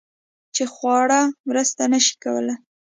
چې خواړه مرسته نشي کولی